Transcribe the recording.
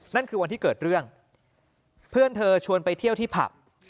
นั่นคือวันที่เกิดเรื่องเพื่อนเธอชวนไปเที่ยวที่ผับ